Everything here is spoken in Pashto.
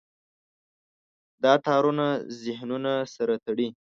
دا تارونه ذهنونه سره تړي.